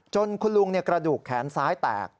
คุณลุงกระดูกแขนซ้ายแตก